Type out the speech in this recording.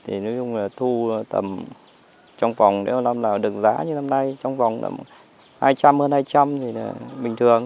thì nói chung là thu tầm trong vòng hai trăm linh hơn hai trăm linh thì bình thường